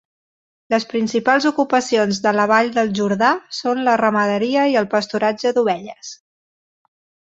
Les principals ocupacions de la Vall del Jordà són la ramaderia i el pasturatge d'ovelles.